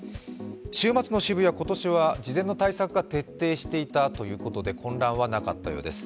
週末の渋谷、今年は事前の対策が徹底していたということで混乱はなかったようです。